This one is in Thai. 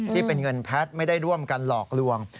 ที่เป็นเงินแพทย์ไม่ได้ร่วมกันหลอกลวง